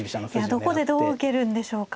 どこでどう受けるんでしょうか。